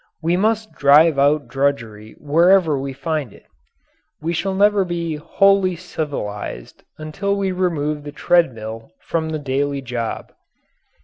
We must drive out drudgery wherever we find it. We shall never be wholly civilized until we remove the treadmill from the daily job.